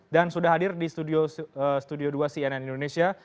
dan sudah hadir di studio dua cnn indonesia